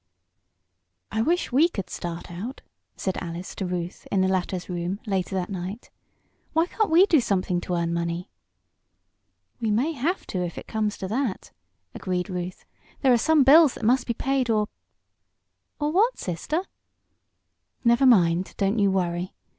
"I wish we could start out," said Alice to Ruth in the latter's room, later that night. "Why can't we do something to earn money?" "We may have to if it comes to that," agreed Ruth. "There are some bills that must be paid or " "Or what, Sister?" "Never mind, don't you worry.